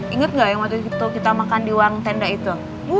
ingat nggak yang waktu itu kita makan di uang tenda itu